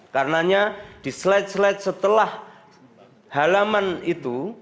karenanya di slide slide setelah halaman itu